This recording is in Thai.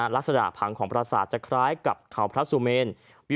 ลักษณะผังของประสาทจะคล้ายกับเขาพระสุเมน